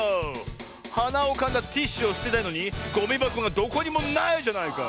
はなをかんだティッシュをすてたいのにゴミばこがどこにもないじゃないか！